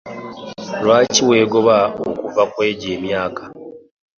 Lwaki weegomba okufa kwegyo emyaka?